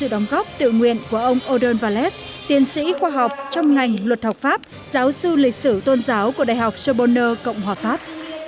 học bồng valet là một học bồng góp tự nguyện của ông odon valet tiên sĩ khoa học trong ngành luật học pháp giáo sư lịch sử tôn giáo của đại học sorbonne cộng hòa pháp